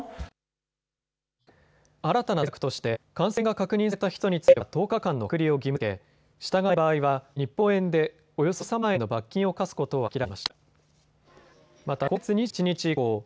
新たな対策として感染が確認された人については１０日間の隔離を義務づけ、従わない場合は日本円でおよそ１３万円の罰金を科すことを明らかにしました。